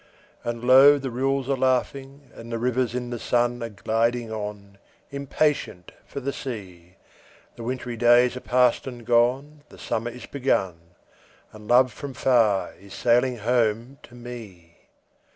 And low the rills are laughing, and the rivers in the sun Are gliding on, impatient for the sea; The wintry days are past and gone, the summer is begun, And love from far is sailing home to me!